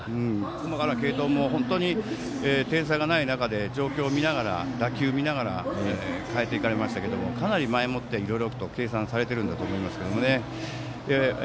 細かな継投も点差がない中で状況を見ながら打球を見ながら変えていかれましたけどかなり前もって、いろいろと計算されているんだと思いますが。